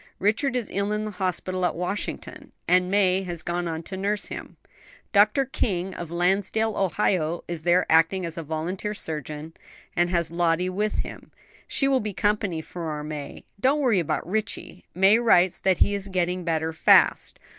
"Richard is ill in the hospital at Washington, and May has gone on to nurse him. Dr. King, of Lansdale, Ohio, is there acting as volunteer surgeon, and has Lottie with him. She will be company for our May. Don't worry about Ritchie; May writes that he is getting better fast."